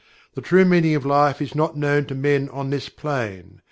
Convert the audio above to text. The true Meaning of Life is not known to men on this plane